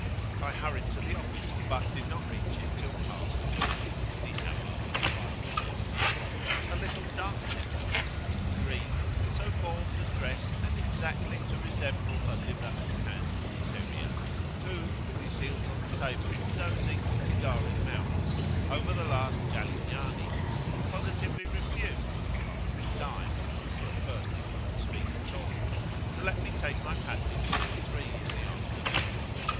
I hurried to the office, but did not reach it till past noon the hour of idleness. A little, dark gentleman Mr. Green so formed and dressed as exactly to resemble a liver and tan bull terrier, who with his heels on the table was dosing, cigar in mouth, over the last "Galignani," positively refused, after a time, for at first he would not speak at all, to let me take my passage till three in the afternoon.